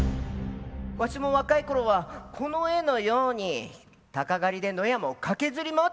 わしも若いころはこの絵のように鷹狩りで野山を駆けずり回っておったぞ。